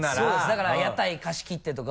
だから屋台貸し切ってとか。